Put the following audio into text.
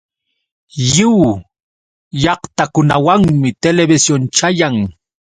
Lliw llaqtakunamanmi televisión chayan.